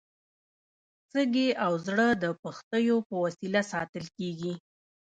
سږي او زړه د پښتیو په وسیله ساتل کېږي.